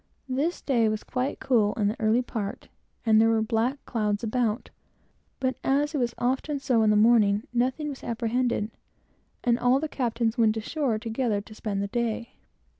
This day was quite cool in the early part, and there were black clouds about; but as it was often so in the morning, nothing was apprehended, and all the captains went ashore together, to spend the day.